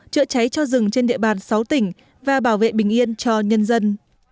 chữa cháy cho rừng trên địa bàn sáu tỉnh và bảo vệ bình yên cho nhân dân